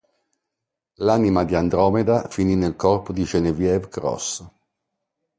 L'anima di Andromeda finì nel corpo di Genevieve Cross.